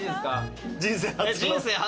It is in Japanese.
人生初の。